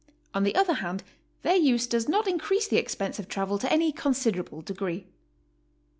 On the other hand, their use does not increase the expense of travel to any considerable degree.